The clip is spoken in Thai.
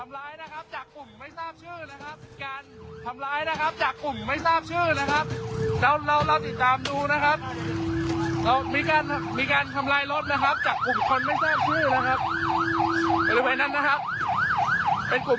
ทำร้ายนะครับจากกลุ่มไม่ทราบชื่อนะครับการทำร้ายนะครับจากกลุ่มไม่ทราบชื่อนะครับ